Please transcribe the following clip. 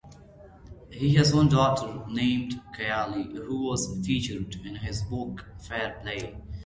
He has one daughter, named Cayley, who was featured in his book "Fair Play".